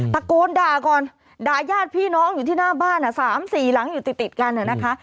ตะโกนด่าก่อนด่ายาดพี่น้องอยู่ที่หน้าบ้าน๓๔หลังอยู่ติดกันนะคะ